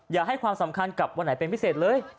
อย่าให้ความสำคัญกับวันไหนเป็นพิเศษเลย